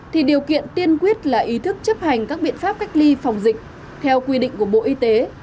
thì điều kiện tiên quyết là ý thức chấp hành các biện pháp cách ly phòng dịch theo quy định của bộ y tế